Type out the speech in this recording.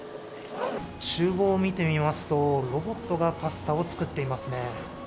ちゅう房を見てみますと、ロボットがパスタを作っていますね。